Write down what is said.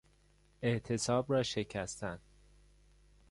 اعتصاب را شکستن